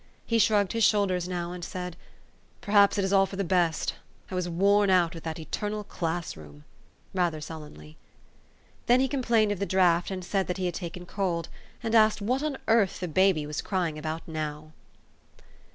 He shrugged his shoul ders now, and said, " Perhaps it is all for the best. I was worn out with that eternal class room," rather sullenly. Then he complained of the draught, and said that he had taken colcl, and asked what on earth the baby was crying about now.